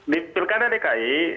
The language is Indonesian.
di pilkada dki